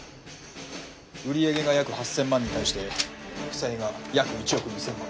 売り上げが約８，０００万に対して負債が約１億２，０００万。